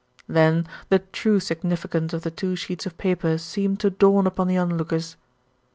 Then the true significance of the two sheets of paper seemed to dawn upon the onlookers.